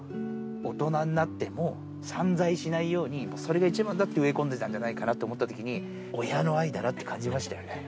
大人になっても、散財しないように、それが一番だって、植え込んでたんじゃないかなって思ったときに、親の愛だなって感じましたよね。